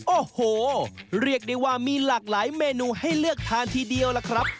โอ้โหเรียกได้ว่ามีหลากหลายเมนูให้เลือกทานทีเดียวล่ะครับ